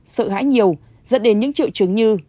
sợ hãi nhiều dẫn đến những triệu chứng như